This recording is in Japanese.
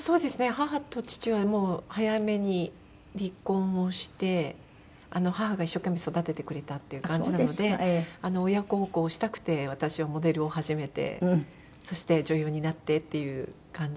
母と父はもう早めに離婚をして母が一生懸命育ててくれたっていう感じなので親孝行したくて私はモデルを始めてそして女優になってっていう感じのはい。